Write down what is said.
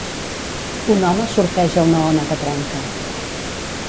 Un home surfeja una ona que trenca.